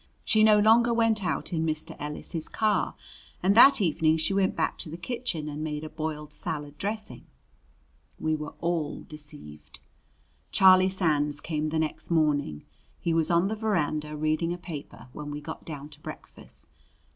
She no longer went out in Mr. Ellis's car, and that evening she went back to the kitchen and made a boiled salad dressing. We were all deceived. Charlie Sands came the next morning. He was on the veranda reading a paper when we got down to breakfast.